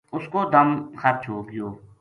اُ س کو دَم خرچ ہو گیو